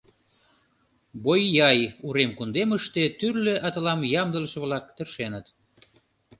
Бойаи урем кундемыште тӱрлӧ атылам ямдылыше-влак тыршеныт.